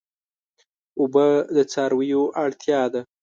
اوبه د څارویو اړتیا ده.